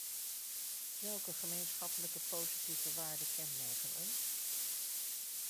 Welke gemeenschappelijke positieve waarden kenmerken ons?